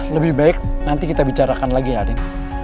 lebih baik nanti kita bicarakan lagi ya arin